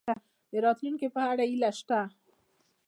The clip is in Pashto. د راتلونکي په اړه هیله شته؟